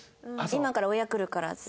「今から親来るから」とかね。